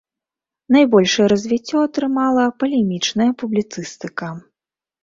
Найбольшае развіццё атрымала палемічная публіцыстыка.